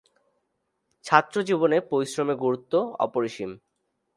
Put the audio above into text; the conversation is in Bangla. ছাত্রজীবনে পরিশ্রমের গুরুত্ব অপরিসীম।